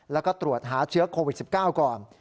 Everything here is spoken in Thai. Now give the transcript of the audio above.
แล้วก็ตรวจหาเชื้อโควิด๑๙ก่อน